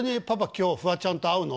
今日フワちゃんと会うの？」